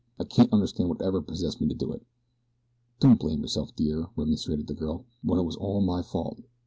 I can't understand what ever possessed me to do it." "Don't blame yourself, dear," remonstrated the girl, "when it was all my fault.